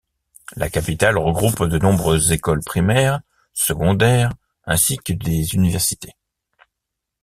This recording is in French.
La capitale regroupe de nombreuses écoles primaires, secondaires ainsi que des universités.